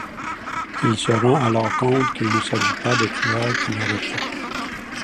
Il se rend alors compte qu'il ne s'agit pas des tueurs qu'il recherche.